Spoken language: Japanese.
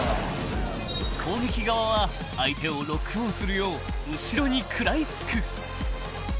［攻撃側は相手をロックオンするよう後ろに食らい付く］